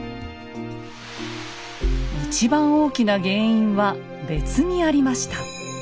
一番大きな原因は別にありました。